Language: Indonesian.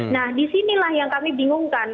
nah disinilah yang kami bingungkan